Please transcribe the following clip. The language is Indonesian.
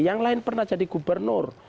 yang lain pernah jadi gubernur